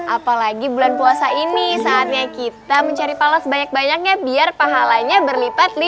apalagi bulan puasa ini saatnya kita mencari pala sebanyak banyaknya biar pahalanya berlipat